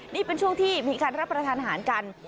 นี่เป็นช่วงที่มีการรับประทานอาหารกัน